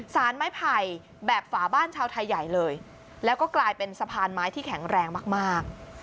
สารไม้ไผ่แบบฝาบ้านชาวไทยใหญ่เลยแล้วก็กลายเป็นสะพานไม้ที่แข็งแรงมาก